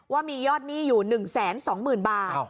ว่ามียอดหนี้อยู่๑๒๐๐๐บาท